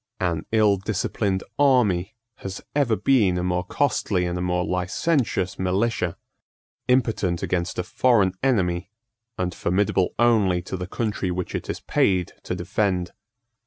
An ill disciplined army has ever been a more costly and a more licentious militia, impotent against a foreign enemy, and formidable only to the country which it is paid to defend.